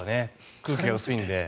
空気が薄いので。